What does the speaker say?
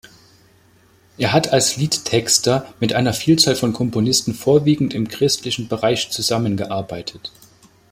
Er hat als Liedtexter mit einer Vielzahl von Komponisten vorwiegend im christlichen Bereich zusammengearbeitet.